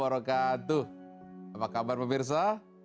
apa kabar pemirsa